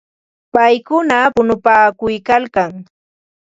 Paykuna punupaakuykalkan.